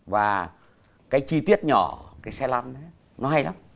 và cái chi tiết nhỏ cái xe lăn đấy nó hay lắm